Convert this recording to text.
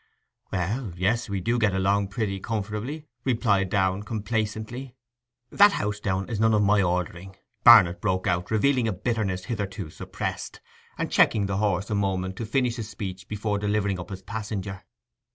'Well—yes, we get along pretty comfortably,' replied Downe complacently. 'That house, Downe, is none of my ordering,' Barnet broke out, revealing a bitterness hitherto suppressed, and checking the horse a moment to finish his speech before delivering up his passenger.